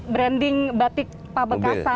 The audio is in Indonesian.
branding batik pamekasan